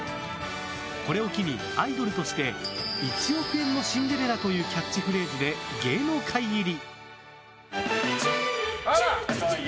これを機にアイドルとして１億円のシンデレラというキャッチフレーズで芸能界入り。